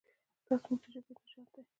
دا زموږ د ژبې نجات دی.